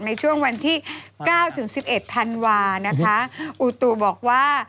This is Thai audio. ในช่วงวันที่๙ถึง๑๑ธันวานะคะอูตุบอกว่า